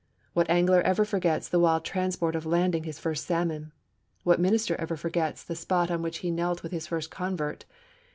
What angler ever forgets the wild transport of landing his first salmon? What minister ever forgets the spot on which he knelt with his first convert?